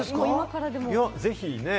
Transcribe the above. ぜひ、ね？